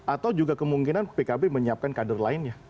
atau juga kemungkinan pkb menyiapkan kader lainnya